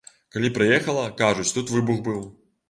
Калі прыехала, кажуць, тут выбух быў.